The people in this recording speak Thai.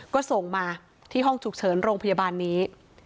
ก็ส่งมาที่ห้องฉุกเฉินโรงพยาบาลนี้